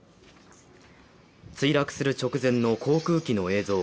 墜落する直前の航空機の映像。